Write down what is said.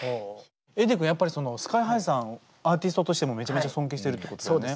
ｅｄｈｉｉｉ君やっぱりＳＫＹ−ＨＩさんをアーティストとしてもめちゃめちゃ尊敬してるってことだよね？